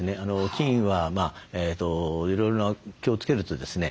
菌はいろいろ気をつけるとですね